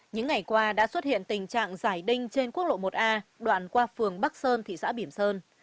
những ngày qua đã xuất hiện tình trạng giải đinh trên quốc lộ một a đoạn qua phường bắc sơn thị xã bỉm sơn